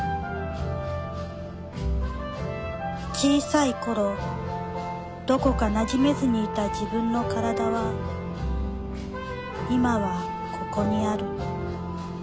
小さい頃どこかなじめずにいた自分の身体は今はここにある。